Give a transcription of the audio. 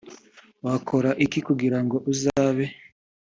wakora iki kugira ngo uzabe